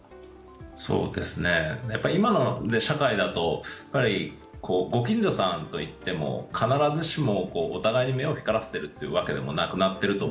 今の社会だとご近所さんといっても必ずしもお互いに目を光らせているわけでもなくなっていると